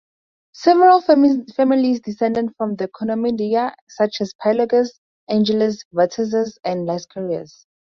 Several families descended from the Komnenodoukai, such as Palaiologos, Angelos, Vatatzes and Laskaris.